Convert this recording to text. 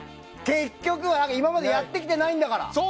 結局は今までやってきてないんだから。